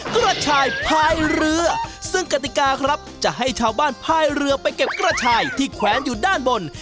กระชายพายเรือซึ่งกติกาครับจะให้ชาวบ้านพายเรือไปเก็บกระชายที่แขวนอยู่ด้านบน